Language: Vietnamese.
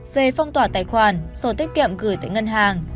về phong tỏa tài khoản sổ tiết kiệm gửi tại ngân hàng